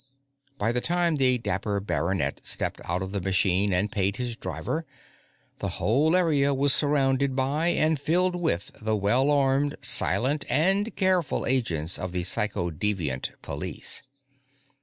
By the time the dapper baronet stepped out of the machine and paid his driver, the whole area was surrounded by and filled with the well armed, silent, and careful agents of the Psychodeviant Police.